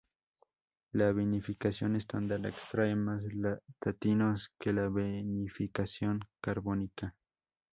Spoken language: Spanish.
La vinificación estándar extrae más taninos que la vinificación carbónica.